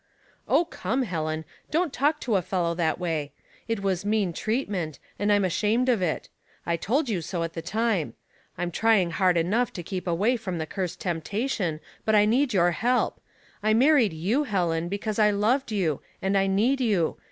" Oh, come, Helen, don't talk to a fellow that way. It was mean treatment, and I'm ashamed of it. I told you so at the time. I'm trying hard enough to keep away from the cursed temp tation, but I need your help. I married you^ Helen, because I loved you, and I need you.